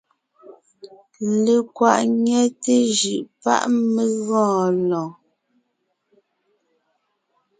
Lekwàʼ ńnyɛte jʉʼ páʼ mé gɔɔn lɔɔn.